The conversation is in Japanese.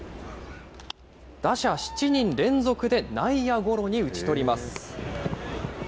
打者７人連続で内野ゴロに打ち取ります。